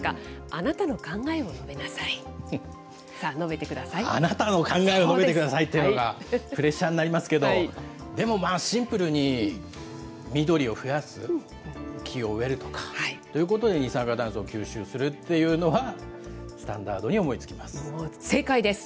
あなたの考えを述べてくださいっていうのが、プレッシャーになりますけど、でもまあ、シンプルに、緑を増やす、木を植えるとかということに二酸化炭素を吸収するっていうのは、正解です。